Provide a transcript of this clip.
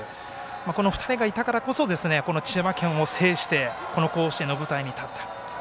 この２人がいたからこそ千葉県を制してこの甲子園の舞台に立った。